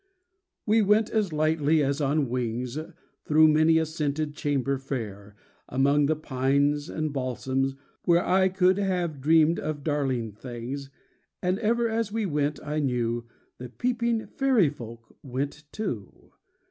We went as lightly as on wings Through many a scented chamber fair. Among the pines and balsams, where I could have dreamed of darling things, And ever as we went I knew The peeping fairy folk went too.